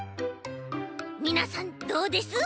みなさんどうです？